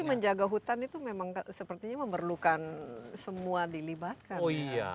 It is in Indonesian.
tapi menjaga hutan itu memang sepertinya memerlukan semua dilibatkan